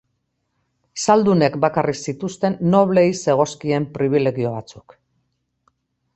Zaldunek bakarrik zituzten nobleei zegozkien pribilegio batzuk.